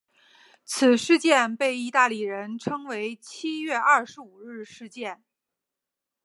此事件被意大利人称为七月二十五日事件。